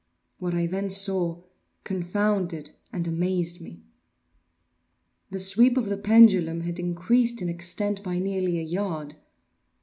What I then saw confounded and amazed me. The sweep of the pendulum had increased in extent by nearly a yard.